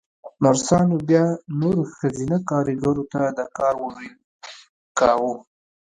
نرسانو بيا نورو ښځينه کاريګرو ته د کار ويل کاوه.